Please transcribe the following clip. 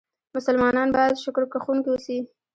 مسلمانان بايد شکرکښونکي سي.